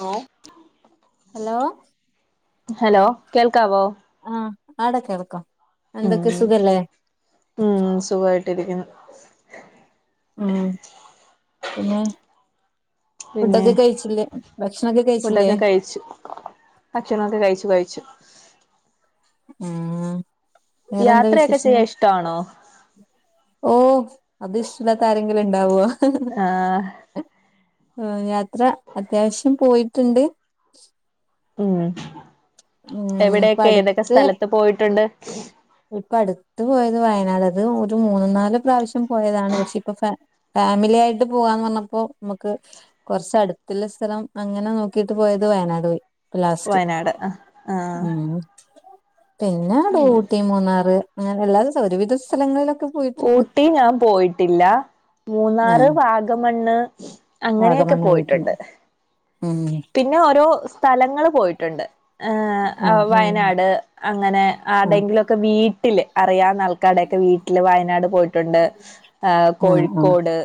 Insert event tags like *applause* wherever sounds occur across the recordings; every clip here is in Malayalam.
അലോ ഹലോ ഹലോ കേൾക്കാവോ? ആഹ് ആടാ കേൾക്കാം, ഉം എന്തൊക്കെ സുഖല്ലേ? ഉം സുഖായ്ട്ടിരിക്കുന്നു. ആഹ് പിന്നെ. പിന്നെ ഫുഡൊക്കെ കഴിച്ചില്ലേ ഭക്ഷണൊക്കെ കഴിച്ചില്ലേ? കഴ്ച്ചു. ഭക്ഷണൊക്കെ കഴ്ച്ചു കഴ്ച്ചു. ഉം വേറെന്താ യാത്രയൊക്കെ വിശേഷങ്ങൾ. ചെയ്യാൻ ഇഷ്ടാണോ ഓഹ് അതിഷ്ടല്ലാത്ത ആരെങ്കിലുണ്ടാവോ. ആഹ് യാത്ര അത്യാവശ്യം പോയ്ട്ട്ണ്ട്. ഉം ഉം ഇപ്പ എവിടേക്കെ ഏതൊക്കെ അടുത്ത് സ്ഥലത്ത് പോയ്ട്ടുണ്ട്? ഇപ്പ അടുത്ത് പോയത് വയനാടാ ഇത് ഒരു മൂന്ന്നാല് പ്രാവശ്യം പോയതാണ് പക്ഷെ ഇപ്പൊ ഫാ ഫാമിലി ആയിട്ട് പോവാന്ന് പറഞ്ഞപ്പോ മക്ക്. കൊർച്ച് അട്ത്ത്ള്ള സ്ഥലം അങ്ങനെ നോക്കീട്ട് പോയത് വയനാട് പോയി. പൊ ലാസ്റ്റ് വയനാട് ആഹ് ആഹ് ഉം. പിന്നെ ഊട്ടി മൂന്നാറ് അങ്ങനെല്ലാസൊ ഒരുവിധ സ്ഥലങ്ങളിലൊക്കെ. പോയിട്ടുണ്ട് ഊട്ടി ഞാംപോയിട്ടില്ല. മൂന്നാറ് ആഹ് വാഗമണ്ണ് അങ്ങനെയൊക്കെ പോയിട്ടുണ്ട്. ഉം ങെ. പിന്നെ ഓരോ സ്ഥലങ്ങള് പോയ്ട്ട്ണ്ട്. ഏഹ് ആഹ് അഹ് ഉം വയനാട് അങ്ങനെ ആഹ് ആടെങ്കിലൊക്കെ വീട്ടില് അറ്യാന്ന ആൾ കടേക്കെ വീട്ടില് വയനാട് പോയ്ട്ട്ണ്ട് ആഹ് കോഴിക്കോട്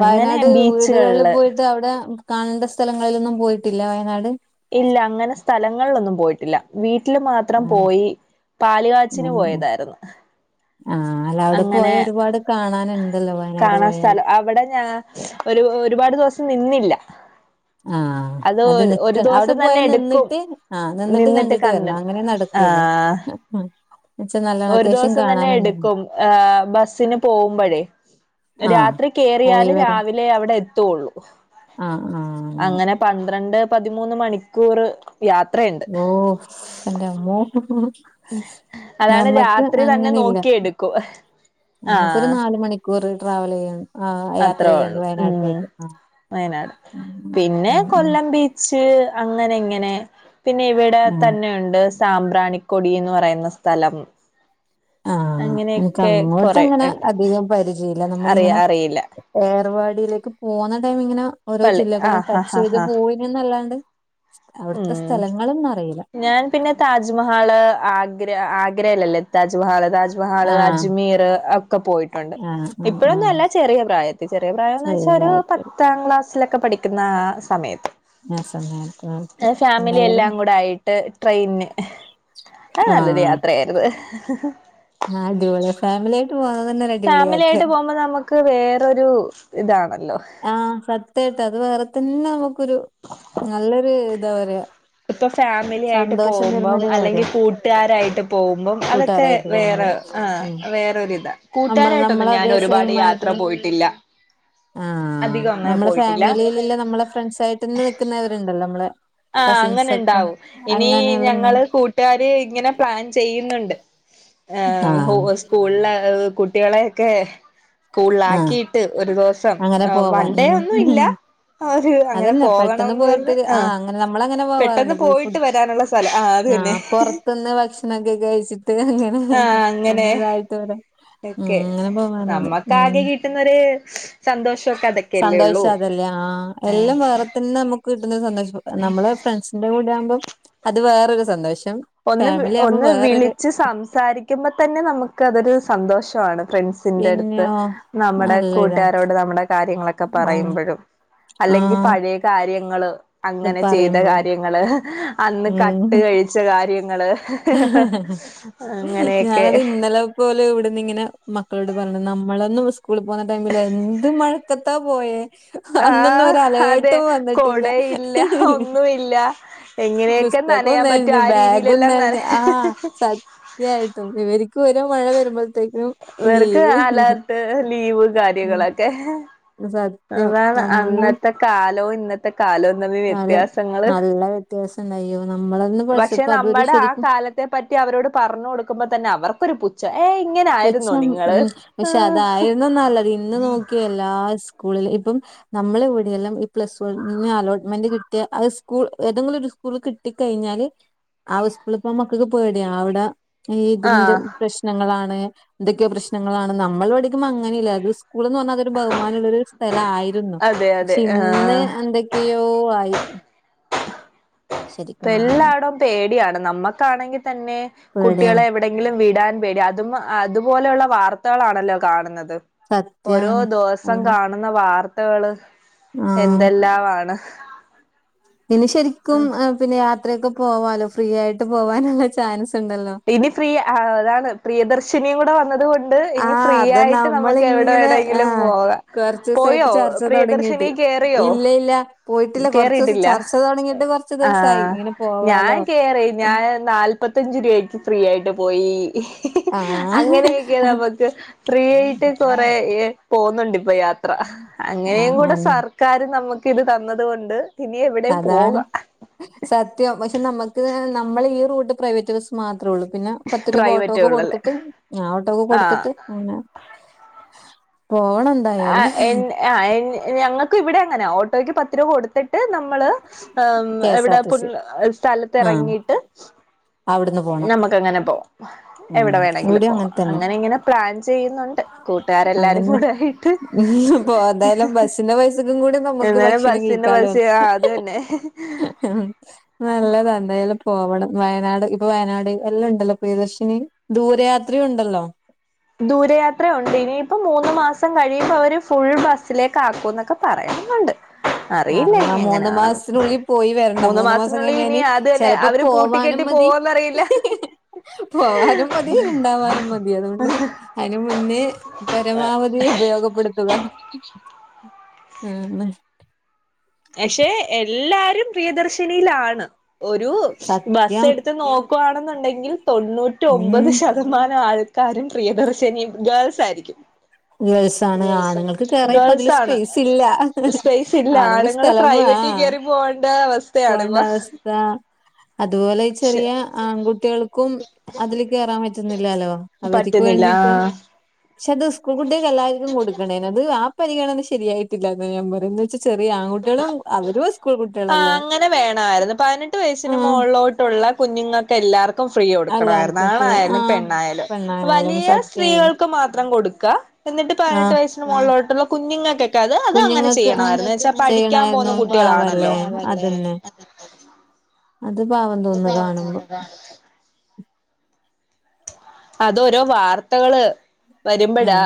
അങ്ങനെ ബീച്ച്കൾള് അവ്ടെ. കാണണ്ട സ്ഥലങ്ങൾലൊന്നും പോയിട്ടില്ലെ വയനാട്? ഇല്ല, അങ്ങനെ സ്ഥലങ്ങൾലൊന്നും പോയിട്ടില്ല. വീട്ടില് മാത്രം ആഹ് പോയി പാലുകാച്ചിന് ഉം പോയതായിര്ന്ന്. ആഹ് അല്ല അവിടെ പോയ ഒരുപാട് കാണാനുണ്ടല്ലോ വയനാട് കാണാൻ പോയാല്. സ്ഥലം അവിടെ ഞാ ഒരു ഒരുപാട് ദിവസം നിന്നില്ല. ആഹ്. അത് നിക്ക ഒരു അവിടെ ദിവസം തന്നെ പോയാ എടുക്കും നിന്നിട്ട് ആഹ് നിന്നിട്ട് കണ്ടിട്ട് വരണം അങ്ങനെ നടക്കോല്ലോ ആഹ് ആഹ്. ഒരു ദൊവസം തന്നെ എട്ക്കും ഏഹ് ബസിന് പോഉമ്പഴേ. ആഹ് രാത്രി പോയി കേറിയാല് വരാ രാവിലെ അവിടെ എത്തൊള്ളു. ആഹ് ആഹ് അങ്ങനെ. പന്ത്രണ്ട് പതിമൂന്ന് മണിക്കൂറ് യാത്രേ ഓഹ് എന്റെമ്മോ. അതാണ് നമ്മക്ക് രാത്രി തന്നെ അങ്ങനില്ല, നോക്കിയെടുക്കും നമുക്കൊരു ആഹ് നാല് മണി. ക്കൂറ് ട്രാവലെയ്യാൻ. അത്രോള്ളു ഉം, വയനാട് ഉം പിന്നെ ഉം ഉം കൊല്ലം ബീ ച്ച് അങ്ങനെങ്ങനെ പിന്നെ ഇവിടെ ആഹ് തന്നെഉണ്ട് സാമ്പ്രാണിക്കൊടി എന്ന് പറയുന്ന സ്ഥലം ആഹ് എനക്ക് അങ്ങനെയൊക്കെ അങ്ങോട്ട് കൊറെ അങ്ങനെ ഉണ്ട് അധികം പരിചയല്ല അറിയ നമ്മളിങ്ങനെ അറിയില്ല ഏർവാടിയിലേക്ക് പോന്ന ടൈം ഇങ്ങനെ ഓരോ പള്ളി ജില്ലകളിലും ആഹ് ആഹ് ആഹ് ടച്ചയ്ത് ആഹ് പോയി യുംന്നല്ലാണ്ട് അവിടുത്തെ ഉം സ്ഥലങ്ങളന്നും അറിയില്ല ഞാൻ പിന്നെ താജ്മഹാൾ ആഗ്ര ആഗ്രല്ലല്ലേ താജ്മഹൽ താജ് വാള് ആഹ് അജ്മീർ ഒക്കെ പോയിട്ടുണ്ട് ആഹ് ആഹ് ഇപ്പോഴൊന്നും ആഹ് അല്ല ചെറിയ പ്രായത്തിൽ ചെറിയ പ്രായംന്ന് ശ്രേയ വെച്ചാ ഒരു ഭാഗത്ത് പത്താം ക്ലാസ് സിലൊക്കെ പഠിക്കുന്ന സമയത്ത് ആഹ് സമയത്ത് എഹ് ഫാമിലി എന്തായാലും എല്ലാം കൂടെ ആയിട്ട് ട്രെയിന് ആഹ് നല്ലൊരു യാത്രയായിരുന്നു ആഹ്ടിപൊളി ഫാമിലിയായിട്ട് പോതന്നെ അടിപൊളി യാത്ര ക്ക് വേറൊരു ഇതാണല്ലോ ആഹ് സത്യായിട്ട് അത് വേറെ തന്നെ നമ്മുക്കൊരു നല്ലൊരു ഇതാ പറയാ ഇപ്പൊ ഫാമിലി ആയിട്ട് സന്തോഷം പോകുമ്പം തരുന്നൊരു കാര്യ അല്ലെങ്കിൽ കൂട്ടുകാരായിട്ട് പോകുമ്പം അതൊക്കെ കൂട്ടുകാരായിട്ട് പോകുമ്പോ വേറെ ആഹ് ഉം വേറൊരി ഇതാ നമ്മൾ നമ്മള കൂട്ടുകാരായിട്ടൊന്നും ഞാൻ അതേ ഒരുപാട് സെയിം യാത്ര ആയിട്ടുള്ള പോയിട്ടില്ല അധികം അങ്ങനെ പോയിട്ടില്ല നമ്മള ഫ്രണ്ട്സ് ആയിട്ട് ഇന്ന് നിൽക്കുന്നവരുണ്ടല്ലോ നമ്മളെ ആഹ് കസിൻസ് അങ്ങനെ ഒക്കെ ഉണ്ടാവും ഇനി അങ്ങനെയുള്ള ഉം. ഞങ്ങള് കൂ കൂട്ടുകാര് ഇങ്ങനെ പ്ലാൻ ചെയ്യുന്നുണ്ട് ആ സ്കൂളില് കുട്ടികളെയൊക്കെ സ്കൂളില് ആ ആക്കിയിട്ട് ഒരു ദിവസം അങ്ങനെ *unintelligible* പോവാൻ വണ്ടേ ഒന്നും ഇല്ല ഉം അങ്ങനെ അതന്നെ പെട്ടെന്ന് പോകണന്ന് പറഞ്ഞ് പോയിട്ടൊരു ആ ആഹ് അങ്ങനെ നമ്മളങ്ങനെ പെട്ടെന്ന് പോവാറുണ്ട് പോയി ഫുഡ് പോയിട്ട് വരാനുള്ള സ്ഥലം അത് ആഹ് തന്നെ പുറത്തുന്ന് ഭക്ഷണക്കെ കഴിച്ചിട്ട് അങ്ങനെ ഒന്ന് ഇതായിട്ട് വരാം *unintelligible* നമ്മക്ക് ആകെ കിട്ടുന്നൊരു സന്തോഷൊക്കെ അതെ സന്തോഷം അതല്ലേ ആഹ് എല്ലാം വേറെ തന്നെ നമ്മുക്ക് കിട്ടുന്ന സന്തോഷം നമ്മളെ ഫ്രണ്ട്സ് എന്റെ കൂടെ ആകുമ്പം അത് വേറൊരു സന്തോഷം ഒന്ന് ഫാമിലി ആകുമ്പോ ഒന്ന് വേറൊരു വിളിച്ച് സംസാരിക്കുമ്പോ തന്നെ നമ്മുക്ക് അതൊരു സന്തോഷമാണ് ഫ്രണ്ട്സിന്റെ അടുത്ത് പിന്നെയോ നമ്മുടെ നല്ല ഇതാ കൂട്ടുകാരോട് നമ്മുടെ കാര്യങ്ങളൊക്കെ ആഹ് പറയുമ്പോഴും അല്ലെങ്കിൽ ആഹ് പഴയ കാര്യങ്ങള് ഇത് അങ്ങനെ ചെയ്ത പറയുമ്പോ കാര്യങ്ങള് അന്ന് കട്ട് കഴിച്ച കാര്യങ്ങള് ഉം അങ്ങനെയൊക്കെ ഇതുപോലെ ഇവിടുന്ന് ഇങ്ങനെ മക്കളോട് പറഞ്ഞു നമ്മളൊന്നും സ്കൂളിൽ പോകുന്ന ടൈമില് എന്ത് മഴ *unintelligible* പോയെ അന്നൊന്നും ആഹ് ഒരു അതെ അലേർട്ടും വന്നിട്ടില്ല കൊടയില്ല ഒന്നുമില്ല എങ്ങനെയൊക്കെ പുസ്തകവും നനയാൻ പറ്റും നനഞ്ഞു ആ ബാഗും രീതിയിലെല്ലാം നന നനഞ്ഞു ആഹ് സത്യായിട്ടും ഇവ ഒരുമഴ വരുമ്പോഴത്തേക്കും ഇവർക്ക് ലീവ് അലർട്ട് ലീവ് *unintelligible* സത്യം അതാണ് നമ്മളൊന്നും അന്നത്തെ കാലവും ഇന്നത്തെ കാലവും തമ്മിൽ കാലം വ്യത്യാസങ്ങള് നല്ല വ്യത്യാസം ഉണ്ടായ്യോ നമ്മളന്ന് പക്ഷെ പഠിച്ചപ്പോ അതുവരെ നമ്മടെ ശരിക്കും *unintelligible* പറ്റി അവരോട് പറഞ്ഞ് കൊടുക്കുമ്പോ തന്നെ അവർക്കൊരു പുച്ഛം ഏയ് പുച്ഛം ഉം പക്ഷെ അതായിരുന്നു നല്ലത് ഇന്ന് നോക്കിയേ എല്ലാ സ്കൂളിലും ഇപ്പം നമ്മളെ ഇവിടെയെല്ലാം ഈ പ്ലസ് വണ്ണിന് അലോട്ട്മെന്റ് കിട്ടിയാൽ അത് സ്കൂൾ ഏതെങ്കിലും ഒരു സ്കൂൾ കിട്ട കിട്ടി കഴിഞ്ഞാല് ആ സ്കൂളിൽ പോകാൻ മക്കൾക്ക് പേടിയാണ് അവിടെ ഈ ഇതിന്റെ ആഹ് പ്രശ്നങ്ങളാണ് എന്തൊക്കെ പ്രശ്നങ്ങളാണ് നമ്മൾ പഠിക്കുമ്പോ അങ്ങനെ അല്ല ഇത് സ്കൂളീന്ന് വന്നാൽ ബഹുമാനമുള്ളരു സ്ഥലമായിരുന്നു അതെ പക്ഷെ അതെ ഇന്ന് ആഹ് എന്തൊക്കെയോ ആയി ഇപ്പ ശരിക്കും പറഞ്ഞാ എല്ലാടവും പേടിയാണ് നമ്മക്കാണെങ്കിൽ തന്നെ കുട്ടികളെ പേടിയാണ് എവിടെ എവിടെങ്കിലും വിടാൻ പേടി അതും അതുപോലെയുള്ള വാർത്തകളാണല്ലോ കാണുന്നത് സത്യം ഓരോ ദിവസം അവിടെ കാണുന്ന വാർത്തകള് എന്തെല്ലാം ആണ് ഇനി ശരിക്കും ഏഹ് പിന്നെ യാത്രയൊക്കെ പോവാലോ ഫ്രീ ആയിട്ട് പോവാനുള്ള ചാൻസ് ഉണ്ടല്ലോ ഇനി ഫ്രീ അതാണ് പ്രിയദർശിനിയും കൂടെ വ വന്നതുകൊണ്ട് ഇനി ആഹ് ഫ്രീ അത് ആയിട്ട് നമ്മക്ക് എവിടെ നമ്മളിങ്ങനെ വേണമെങ്കിലും ആഹ് പോകാം പോയോ കൊറച്ചൂസായിട്ട് ചർച്ച പ്രിയദർശിനി തൊടങ്ങിയിട്ട്. കേറിയോ ഇല്ല ഇല്ല പോയിട്ടില്ല കൊറച്ചൂസം കേറിയിട്ടില്ല ചർച്ച തൊടങ്ങിയിട്ട് കൊറച്ച് ദിവസായി ആഹ് ഇങ്ങനെ ഞാൻ പോവാലോ കേറി ഞാൻ നാല്പത്തിയഞ്ച് രൂപക്ക് ഫ്രീ ആയിട്ട് പോയി ആഹ് അങ്ങനെയൊക്കെ നമ്മക്ക് ഫ്രീ ആയിട്ട് കുറേ ഏഹ് പോകുന്നുണ്ട് ഇപ്പോ യാത്ര അങ്ങനെയും കൂടെ ആഹ് സർ ക്കാര് നമ്മക്ക് ഇത് തന്നതുകൊണ്ട് അതാണ് സത്യം പക്ഷെ നമ്മക്ക് നമ്മള് ഈ റൂട്ട് പ്രൈവറ്റ് ബസ്സ് മാത്രൊള്ളൂ പിന്നെ പത്ത് രൂപ പ്രൈവറ്റേ ഓട്ടോക്ക് ഉള്ളല്ലേ കൊടുത്ത്ട്ട് ഞാൻ ഓട്ടോക്ക് ആഹ് കൊടുത്ത്ട്ട് അനെ പോവണം ആ എന്തായാലും എൻ ആ എൻ ഞങ്ങൾക്ക് ഇവിടെം അങ്ങനാ ഓട്ടോയ്ക്ക് പത്ത് രൂപ കൊടുത്ത് ട്ട് നമ്മള് എ കെ എസ് ആർ എവിടെ ടി സി പുന്നാ സ്ഥലത്ത് ആഹ് എറങ്ങിട്ട് അവിടുന്ന് പോണം നമ്മക്ക്ങ്ങനെ പോവാം എവിടെ വേണെങ്കിലും ഇവിടെയും പോവാം തന്നെ അങ്ങനെ ഇങ്ങനെ പ്ലാൻ ചെയ്യുന്നുണ്ട് കൂ ട്ടരെല്ലാരും അതന്നെ കൂടെ ആയിട്ട് ഇപ്പൊ എന്തായാലും ബസ്സിന്റെ പൈസക്കും കൂടി നമുക്ക് ഇന്നലെ ഭക്ഷണം കഴിക്കാലോ ബസ്സി *unintelligible* ആ അത് തന്നെ *inaudible* നല്ലതാ എന്താ പോവണം വയനാട് ഇപ്പോ വയനാട് എല്ലാം ഇണ്ടല്ലോ പ്രിയദർശിനി ദൂരയാത്ര ഉണ്ടല്ലോ ദൂരെയാത്ര ഉണ്ട് ഇനിയിപ്പം മൂന്ന് മാസം കഴിയുമ്പോ അവര് ഫുൾ ബസ്സിലേക്ക് ആക്കും എന്നൊക്കെ പറയുന്നുണ്ട് അറിയില്ല ഇനി *unintelligible* മൂന്നു എങ്ങനെയാണെന്ന് മാസത്തിനുള്ളിൽ പോയി വരണം മൂന്ന് മാസം മാസത്തിനുള്ളിൽ കഴിഞ്ഞ ഇനി അത് തന്നെ ചെലപ്പോ അവര് പോവാനും പൂട്ടിക്കെട്ടി മതി പോവോന്നറിയില്ല പോവാനും മതി ഇണ്ടാവാനും മ തി അതുകൊണ്ട് അയിന് മുന്നേ പരമാവധി ഉപയോഗപ്പെടുത്തുക ആഹാ ല്ലേ പക്ഷെ എല്ലാരും പ്രിയദർശിനിയിലാണ് ഒരു ബസ്സ് സത്യം എടുത്ത് നോ ക്കുവണെന്നുണ്ടെങ്കിൽ തൊണ്ണൂറ്റ് ഒമ്പത് ഉം ശ തമാനം ആൾക്കാരും പ്രിയദർശിനിം ഗേൾസ് ആയിരിക്കും ഗേൾസ് ആണ് ആണുങ്ങൾക്ക് കേറാൻ ഇപ്പ ഗേൾസ് അതില് ആണ് സ്പേസ് ഇല്ല സ്പേസ് ഇല്ല ആണുങ്ങൾ ആണു ങ്ങള് സ്ഥലം വേ ആ പ്രൈവറ്റിൽ കേറി പോവേണ്ട അവസ്ഥയാണ് ഇപ്പ ആ അതുപോലെ ചെറിയ ആൺകുട്ടികൾക്കും അതില് കേറാൻ പറ്റുന്നില്ലലോ അവര്ക്ക് പറ്റുന്നില്ല വേണ്ടിട്ട് ആഹ് പക്ഷെ അത് സ്കൂൾ കുട്ടികൾക്ക് എല്ലാവർക്കും കൊടുക്കണേനു അത് ആ പരിഗണന ശരിയായിട്ടില്ലന്നാ ഞാൻ പറയുന്നത് ചെറിയ ആൺകുട്ടികളും അവരും സ്കൂൾ ആഹ് കുട്ടികളല്ലേ അങ്ങനെ ആഹ് ട്ടോള്ള കുഞ്ഞുങ്ങൾക്കെല്ലാർക്കും ഫ്രീ കൊടുക്കണായിരുന്നു എല്ലാർക്കും ഫ്രീ ആ ആണായാലും പെണ്ണായാലും പെണ്ണായാലും വലിയ സത്യായാലും സ്ത്രീകൾക്ക് മാത്രം കൊടുക്ക എന്നിട്ട് ആ പതിനെട്ട് വയസ്സ് മോളിലോട്ടുള്ള കുഞ്ഞുങ്ങൾക്കൊക്കെ അത് അങ്ങനെ കുഞ്ഞുങ്ങൾക്ക് ആ ചെയ്യണായിരുന്നു എന്നുവെച്ചാൽ പഠിക്കാൻ പോകുന്ന ചെയ്യണായിരുന്നു കുട്ടികളാണല്ലോ പാവല്ലേ അതന്നെ അത് പാവം തോന്നുന്നു കാണുമ്പോ അതോ ഓരോ വാർത്തകള് വരുമ്പോഴാ ഉം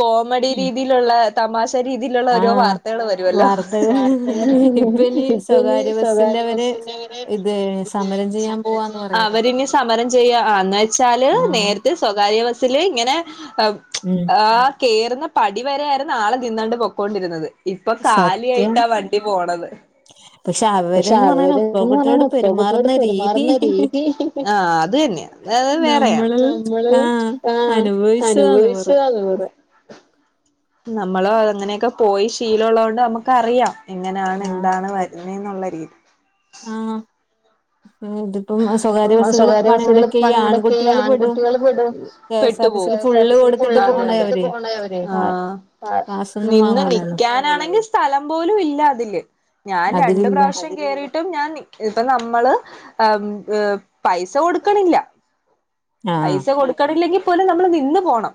കോമഡി രീതിയിലുള്ള തമാശ രീതിയിലുള്ള ഓരോ ആഹ് വാർത്തകള് വരുവല്ലോ ആ വാർത്തകൾ വാർത്തകള് ഇപ്പൊ ഇനി ഇനി സ്വകാര്യ ബസ്സിന്റെ സ്വകാര്യ അവര് ബസ്സിന്റെ ഇത് *unintelligible* ഇത് സമരം ചെയ്യാൻ പോവാന്ന് സമരത്തിന് അവര് പറയുന്നുണ്ട് ഇനി സമരം ചെയ്യാ ആ എന്ന് വെച്ചാല് ആഹ് നേരത്തെ സ്വകാര്യ ബസ്സില് ഇങ്ങനെ ആഹ് ഉം ആഹ് കേയറുന്ന പടി വരെ ആയിരുന്നു ആള് നിന്നോണ്ട് പൊക്കൊണ്ടിരുന്നത് ഇപ്പൊ കാലി സത്യം ആയിട്ടാ വണ്ടി പോണത് പക്ഷെ അവര്ന്ന് പറയണ ഇപ്പ അവര്ന്ന് കുട്ടികളോട് പറയണത് പെൺകുട്ടിയോട് പെരുമാറുന്ന രീതി പെരുമാറുന്ന രീതി ആഹ് അതന്നെയാ അത്‌ വേറെയാണ് നമ്മള് നമ്മള് ആഹ് ആ അനുഭവിച്ചതാന്ന് കൊറേ അനുഭവിച്ചതാന്ന് കൊറേ നമ്മളോ അങ്ങനെയൊക്കെ പോയി ശീലോള്ളോണ്ട് നമ്മക്ക് അറിയാം എങ്ങനാണ് എന്താണ് വ ന്നേന്നോള്ള രീ ആ ഉണ്ട് സ്വകാര്യ ബസ്സുകൾ പ മൊടക്കി ഈ ആൺകുട്ടികൾ പെടും ആൺകുട്ടികൾ വിട് കെ എസ് ആർ ടി സിൽ കേസാർടിസിൽ ഫുള്ള് കൊടുത്തിട്ട് പൈസ പോണേ കൊടുത്ത് അവര് പോണ്ടേ അവന് പാ പാസൊന്നും നിന്ന് വാങ്ങൂലല്ലോ നിക്കാനാണെങ്കിൽ സ്ഥലം പോലും ഇല്ല അതില് ഞാൻ രണ്ട് അതിലില്ല പ്രാവശ്യം കേറിയിട്ടും ഞാൻ ഇപ്പ നമ്മള് പൈസ കൊടക്ക്ണില്ല ആഹ് പൈസ കൊടുക്കണില്ലെങ്കിൽ പോലും നമ്മള് നിന്ന് പോണം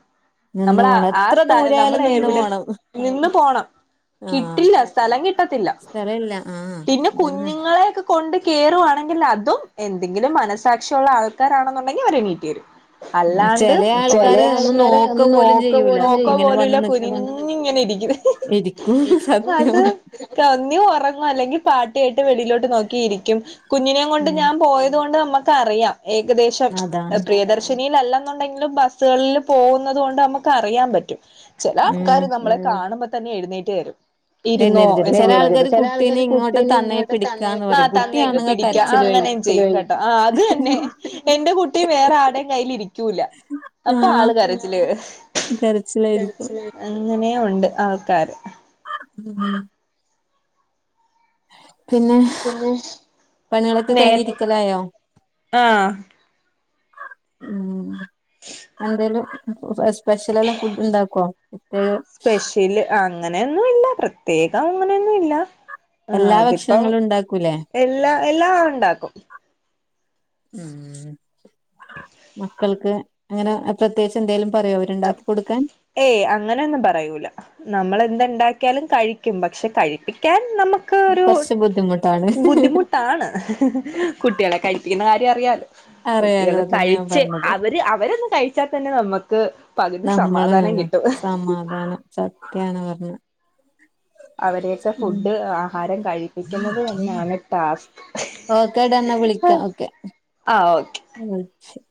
നിന്ന് നമ്മള പോണം ആ എത്ര സ്ഥാ ദൂരായാലും നമ്മള നിന്ന് എവിടെ പോണം നിന്ന് പോണം ആഹ് കിട്ടില്ല സ്ഥലം കിട്ടത്തില്ല സ്ഥലല്ല ആഹ് പിന്നെ അതന്നെ കുഞ്ഞുങ്ങളെക്കെ കൊണ്ട് കേറുവാണെങ്കിൽ അതും എന്തെങ്കിലും മനസ്സാക്ഷിയ ഉള്ള ആൾക്കാരാണെന്നുണ്ടെങ്കിൽ അവരെണീട്ടി വരും അല്ലാണ്ട് ചെല ചില ആൾക്കാര് ഒന്ന് ആൾക്കാര നോക്ക പോലും നോക്ക ചെയ്യൂല ഇങ്ങനെ പോലുല്ല വന്ന് നിക്കുന്ന കുരിഞിങ്ങനെ ഇരിക്കിണ് ഇരിക്കും സത്യം അത് ന്നി ഉറങ്ങും അല്ലെങ്കിൽ പാട് കേട്ട് വെളിയിലോട്ട് നോക്കിയിരിക്കും കുഞ്ഞിനെ കൊണ്ട് ഉം ഞാൻ പോയത് കൊണ്ട് നമ്മുക്ക് അറിയാം ഏകദേശം അതാണ് പ്രിയദർശിനില്ലെന്നുണ്ടെങ്കിലും ബസ്സുകളിൽ പോകുന്നുന്നത് കൊണ്ട് നമുക്ക് അറിയാൻ പറ്റും ചെല ഉം ആൾക്കാര് നമ്മളെ കാണുമ്പോ തന്നെ എഴുന്നേറ്റ് തരും ഇരുന്നോ എഴുന്നേൽക്കത്തില്ല ചെല എന്ന ആൾക്കാര് ചില ആൾക്കാർ കുട്ടീനെ ഇങ്ങോട്ട് കുട്ടീനെ തന്നെ ഇങ്ങ് പിടിക്കാന്ന് പറയും തന്നേക്ക് കുട്ടിയാണെങ്കി പിടിക്കാം കരച്ചിലായിരിക്കും *unintelligible* ആ അത് തന്നെ എന്റെ കുട്ടി കുട്ടി വേറെ ആടേയും കയ്യിൽ ഇരിക്കൂല അപ്പൊ ആഹ് ആള് കരച്ചിലേ കരച്ചിലായിരിക്കും അങ്ങനെ ഉണ്ട് ആൾക്കാര് *inaudible* പിന്നെ പിന്നെ പണികളൊക്കെ നേ കഴിഞ്ഞി രിക്കലായോ ആഹ് ഉ എന്തേലും ഫ സ്പെഷ്യലല്ലാം ഫുഡ് ഉണ്ടാക്കോ ഉം അങ്ങനെയൊന്നുംല്ല പ്രത്യേകം അങ്ങനെയൊന്നുംല്ല ആ എല്ലാ ഇതിപ്പം ഭക്ഷണങ്ങളും ഉണ്ടാക്കൂലേ എല്ലാ എല്ലാ ഉണ്ടാക്കും ഉം *inaudible* മക്കൾക്ക് അങ്ങനെ പ്രത്യേകിച്ച് എന്തേലും പറയോ അവരുണ്ടാക്കി കൊടുക്കാൻ ഏയ് അങ്ങനെയൊന്നും പറയൂല നമ്മളന്ത്ണ്ടാക്കിയാലും കഴിക്കും പക്ഷെ കഴിപ്പിക്കാൻ നമുക്ക് ഒക്കെരു കൊറച്ച് ബുദ്ധിമുട്ടാണ് ബുദ്ധിമുട്ടാണ് കുട്ടികളെ കഴിപ്പിക്കുന്ന കാര്യം അറിയാല് അറിയാലോ കുട്ടികളെ അതന്നെ ഞാൻ കഴിച്ച് പറഞ്ഞത് അവര് അവരൊന്ന് കഴിച്ചാൽ തന്നെ നമ്മക്ക് നമ്മള് സമാധാനം സത്യാണ് പറഞ്ഞ അവരെക്കെ ഫുഡ് ആഹാരം കഴിപ്പിക്കുന്നതന്നെയാണ് ടാസ്ക് ഓക്കേടാ എന്നാ വിളിക്കാം ആ ഓക്കെ *inaudible*